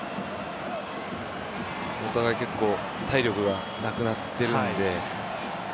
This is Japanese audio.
お互い結構、体力がなくなっているので。